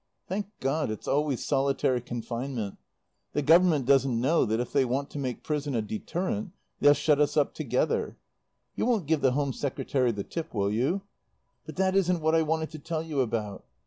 "Thank God, it's always solitary confinement. The Government doesn't know that if they want to make prison a deterrent they'll shut us up together. You won't give the Home Secretary the tip, will you? "But that isn't what I wanted to tell you about.